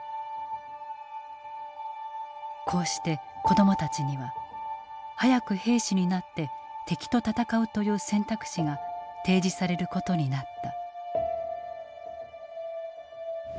こうして子供たちには早く兵士になって敵と戦うという選択肢が提示されることになった。